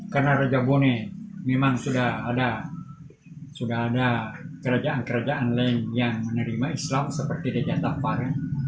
karena raja boneh memang sudah ada kerajaan kerajaan lain yang menerima islam seperti dajat tafar